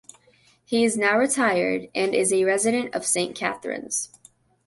He is now retired, and is a resident of Saint Catharines.